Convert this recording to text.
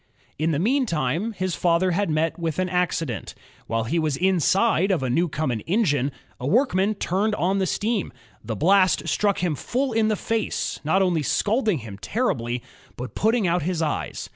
In the meantime his father had met with an accident. While he was inside of a Newcomen engine, a workman turned on the steam. The blast struck him full in the face, not only scalding him terribly, but putting out his eyes.